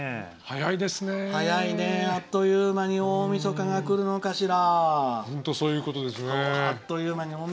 早いね、あっという間に大みそかがくるのかしら。